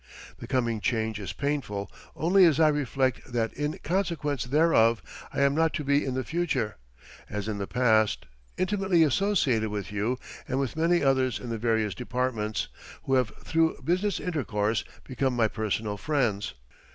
The coming change is painful only as I reflect that in consequence thereof I am not to be in the future, as in the past, intimately associated with you and with many others in the various departments, who have through business intercourse, become my personal friends.